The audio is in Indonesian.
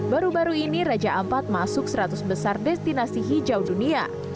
baru baru ini raja ampat masuk seratus besar destinasi hijau dunia